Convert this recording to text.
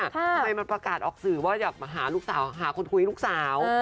ทำไมมันประกาศออกสื่อว่าอยากมาหาลูกสาวหาคนคุยลูกสาว